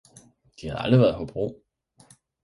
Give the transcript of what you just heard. De havde aldrig været i Hobro